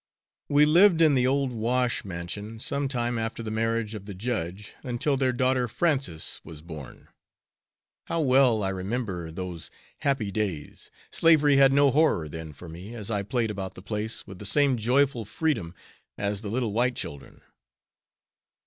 We lived in the old "Wash" mansion some time after the marriage of the Judge, until their daughter Frances was born. How well I remember those happy days! Slavery had no horror then for me, as I played about the place, with the same joyful freedom as the little white children.